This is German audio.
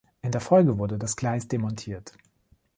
In der Folge wurde das Gleis demontiert.